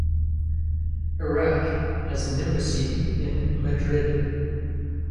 Iraq has an embassy in Madrid.